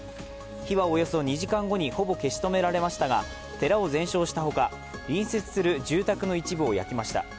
火はおよそ２時間後にほぼ消し止められましたが寺を全焼したほか、隣接する住宅の一部を焼きました。